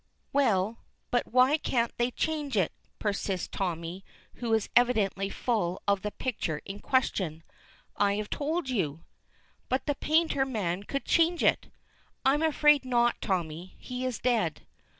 "Well, but why can't they change it?" persists Tommy, who is evidently full of the picture in question. "I have told you." "But the painter man could change it." "I am afraid not, Tommy. He is dead."